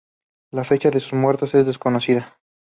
La fecha de sus muertes es desconocida.